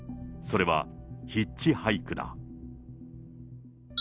それはヒッチハイクだ。